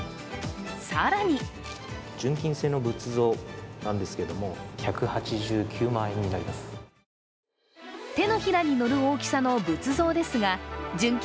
更に手のひらに乗る大きさの仏像ですが純金